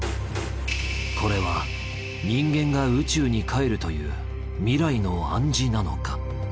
これは人間が宇宙に還るという未来の暗示なのか